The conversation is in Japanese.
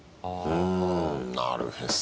うん、なるへそ。